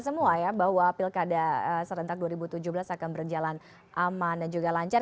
semua ya bahwa pilkada serentak dua ribu tujuh belas akan berjalan aman dan juga lancar